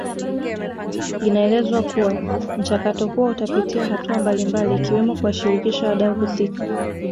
Inaelezwa kuwa mchakato huo utapitia hatua mbalimbali ikiwemo kuwashirikisha wadau husika